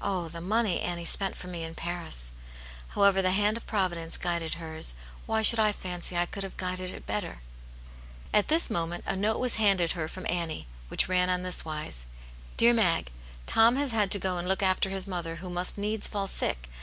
Oh, the money Annie spent for me in Paris ! However, the hand of Provi dence guided hers ; why should I fancy I could have guided it better ?" At this moment a note was handed her from Annie, which ran on this wise : "Dear Mag, — ^Tom has had to go and look after his mother, who must needs fall sick.